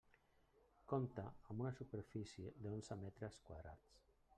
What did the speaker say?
Compta amb una superfície d'onze metres quadrats.